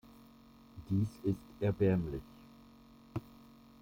Dies ist erbärmlich.